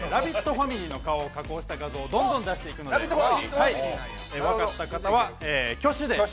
ファミリーの顔を加工した画像をどんどん出していくので分かった方は挙手で。